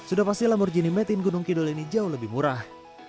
sudah pasti lamborghini metin gunung kidul ini jauh lebih murah